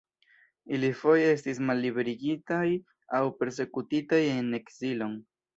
Ili foje estis malliberigitaj aŭ persekutitaj en ekzilon.